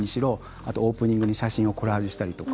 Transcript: あとオープニングに写真をコラージュしたりとか。